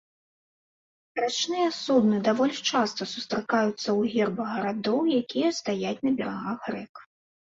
Рачныя судны даволі часта сустракаюцца ў гербах гарадоў, якія стаяць на берагах рэк.